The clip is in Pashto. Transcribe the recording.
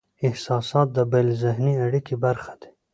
احساسات د بینالذهني اړیکې برخه دي.